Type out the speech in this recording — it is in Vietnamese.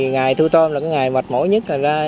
ngày thu tôm là ngày mệt mỏi nhất